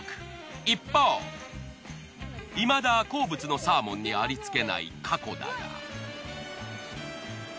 一方いまだ好物のサーモンにありつけないかこだが。